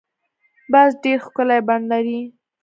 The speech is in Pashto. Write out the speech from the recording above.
باز ډېر ښکلی بڼ لري